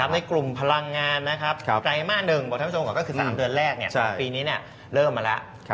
ในกลุ่มพลังงานนะครับไตรมาส๑บอกท่านผู้ชมก่อนก็คือ๓เดือนแรกของปีนี้เริ่มมาแล้ว